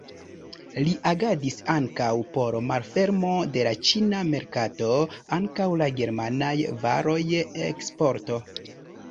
Li agadis ankaŭ por malfermo de la ĉina merkato antaŭ la germanaj varoj, eksporto.